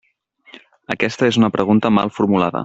Aquesta és una pregunta mal formulada.